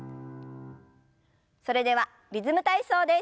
それでは「リズム体操」です。